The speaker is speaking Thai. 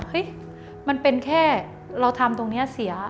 มันเป็นแค่เราทำตรงนี้เสีย